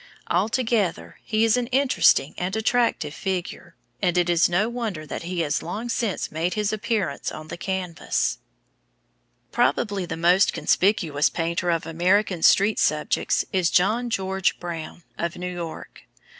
Altogether, he is an interesting and attractive figure, and it is no wonder that he has long since made his appearance on the canvas. [Illustration: CASTLES IN SPAIN. JOHN G. BROWN.] Probably the most conspicuous painter of American street subjects is John George Brown, of New York.